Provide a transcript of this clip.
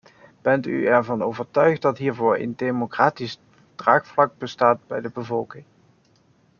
Bent u ervan overtuigd dat hiervoor een democratisch draagvlak bestaat bij de bevolking?